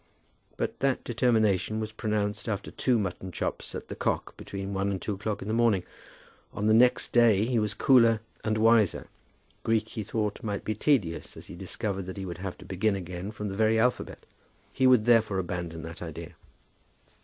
But that determination was pronounced after two mutton chops at "The Cock," between one and two o'clock in the morning. On the next day he was cooler and wiser. Greek he thought might be tedious as he discovered that he would have to begin again from the very alphabet. He would therefore abandon that idea.